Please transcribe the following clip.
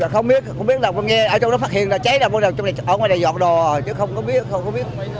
không biết không biết là có nghe ở trong đó phát hiện là cháy là bây giờ trong này ở ngoài này dọn đồ rồi chứ không có biết không có biết